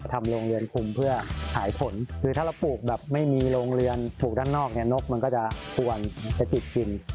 ทำโรงเรือนคุมเพื่อขายผลคือถ้าเราปลูกแบบไม่มีโรงเรือนถูกด้านนอกเนี่ยนกมันก็จะควรจะติดกิน